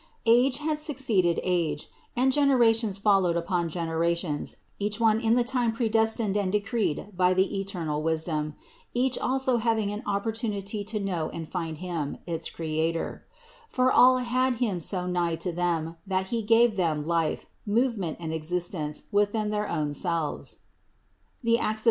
Age had succeeded age, and generations followed upon generations, each one in the time predestined and decreed by the eternal Wisdom, each also having an opportunity to know and find Him, its Creator; for all had Him so nigh to them, that He gave them life, movement and existence within their own selves (Acts 17, 28).